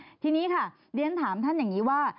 ทีนี้ค่ะเรียนถามท่านอย่างนี้ว่า